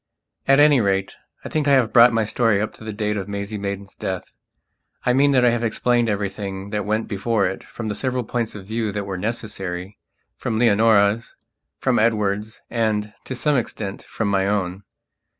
At any rate, I think I have brought my story up to the date of Maisie Maidan's death. I mean that I have explained everything that went before it from the several points of view that were necessaryfrom Leonora's, from Edward's and, to some extent, from my own.